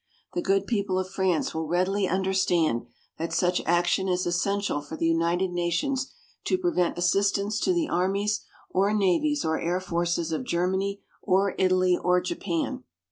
The good people of France will readily understand that such action is essential for the United Nations to prevent assistance to the armies or navies or air forces of Germany, or Italy or Japan.